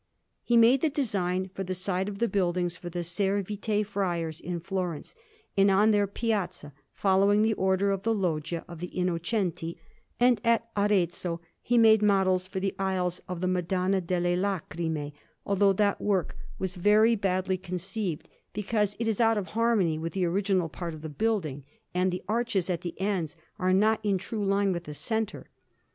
He made the design for the side of the buildings of the Servite Friars (in Florence), on their Piazza, following the order of the Loggia of the Innocenti; and at Arezzo he made models for the aisles of the Madonna delle Lacrime, although that work was very badly conceived, because it is out of harmony with the original part of the building, and the arches at the ends are not in true line with the centre.